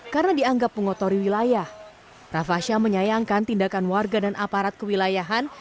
karena dianggap pengotori wilayah rafa sya menyayangkan tindakan warga dan aparat kewilayahan